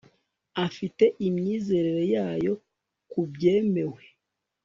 afite imyizerere yayo ku byemewe